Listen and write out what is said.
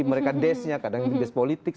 mereka des nya kadang di des politik